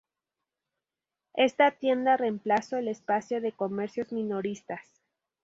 Esta tienda reemplazo el espacio de comercios minoristas.